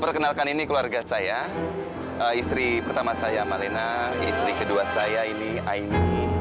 perkenalkan ini keluarga saya istri pertama saya malena istri kedua saya ini aini